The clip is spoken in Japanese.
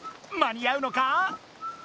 間に合うのか？